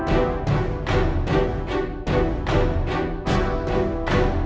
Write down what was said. aduh apaan nih